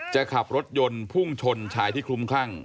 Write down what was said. ขับรถยนต์พุ่งชนชายที่คลุ้มคลั่ง